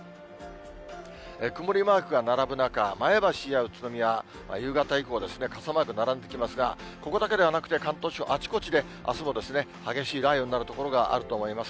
曇りマークが並ぶ中、前橋や宇都宮、夕方以降、傘マーク並んできますが、ここだけではなくて、関東地方あちこちで、あすもですね、激しい雷雨になる所があると思います。